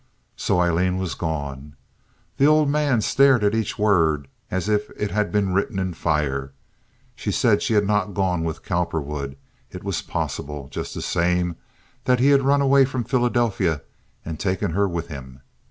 So Aileen was gone. The old man stared at each word as if it had been written in fire. She said she had not gone with Cowperwood. It was possible, just the same, that he had run away from Philadelphia and taken her with him.